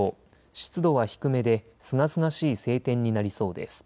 湿度は低めで、すがすがしい晴天になりそうです。